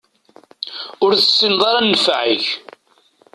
Ur tessineḍ ara nnfeɛ-ik.